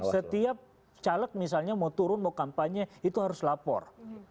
setiap caleg misalnya mau turun mau kampanye itu harus lapor